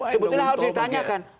sebetulnya harus ditanyakan